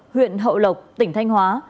huyện hậu lộc tỉnh thanh hóa